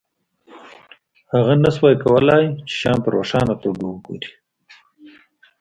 هغه نشوای کولی چې شیان په روښانه توګه وګوري